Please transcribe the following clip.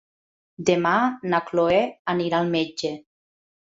Demà na Cloè anirà al metge.